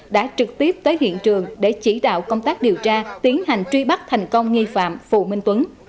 đã trực tiếp tới hiện trường để chỉ đạo công tác điều tra tiến hành truy bắt thành công nghi phạm phù minh tuấn